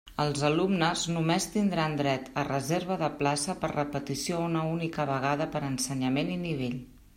Els alumnes només tindran dret a reserva de plaça per repetició una única vegada per ensenyament i nivell.